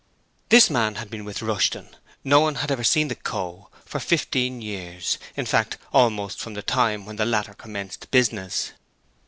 This man had been with Rushton no one had ever seen the 'Co.' for fifteen years, in fact almost from the time when the latter commenced business.